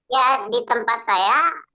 ya di tempat saya